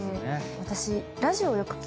私。